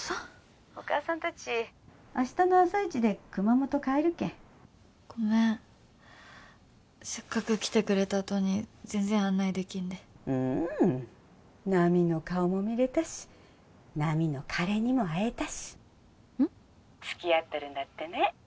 ☎お母さん達明日の朝イチで熊本帰るけんごめんせっかく来てくれたとに全然案内できんでううん奈未の顔も見れたし奈未の彼にも会えたしうんっ？付き合っとるんだってね